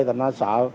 thì nó sợ